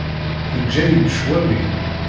Yeǧǧa-yi-d ccwami.